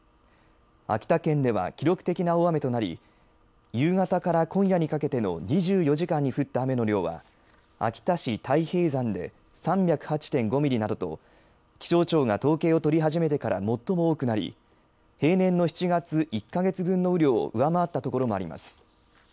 秋田県では記録的な大雨となり夕方から今夜にかけての２４時間に降った雨の量は秋田市太平山で３０８．５ミリなどと気象庁が統計を取り始めてから最も多くなり平年の７月１か月分の雨量を上回ったところもあります。